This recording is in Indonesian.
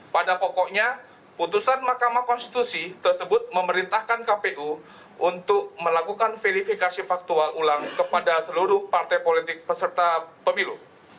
pada pokoknya putusan mahkamah konstitusi tersebut memerintahkan kpu untuk melakukan verifikasi faktual ulang kepada seluruh partai politik peserta pemilu